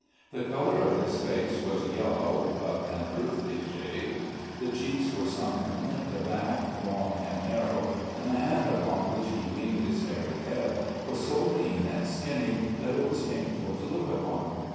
The colour of his face was yellow, of an earthy shade; the cheeks were sunken, the back long and narrow, and the hand upon which he leaned his hairy head was so lean and skinny that it was painful to look upon.